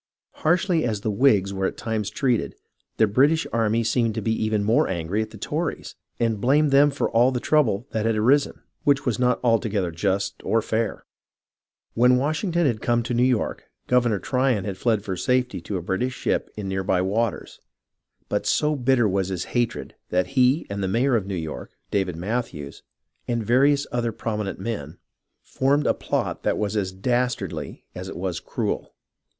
Harshly as the Whigs were at times treated, the British army seemed to be even more angry at the Tories, and blamed them for all the trouble that had arisen, which was not altogether just or fair. When Washington had come to New York, Governor Tryon had fled for safety to a British ship in the near by waters ; but so bitter was his hatred that he and the mayor of New York, David Matthews, and various other prominent men formed a plot that was as dastardly as 104 HISTORY OF THE AMERICAN REVOLUTION it was cruel.